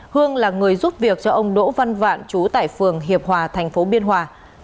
với giúp việc cho ông đỗ văn vạn trú tại phường hiệp hòa thành phố biên hòa